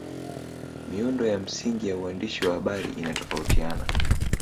Miundo ya msingi ya uandishi wa habari inatofautiana